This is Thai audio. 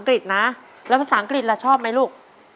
ขอเชิญน้องต้นข้าวมาต่อชีวิตเป็นคนต่อไปครับ